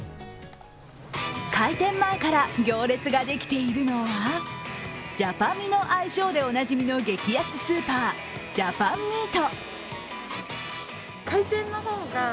開店前から行列ができているのはジャパミの愛称でおなじみの激安スーパー、ジャパンミート。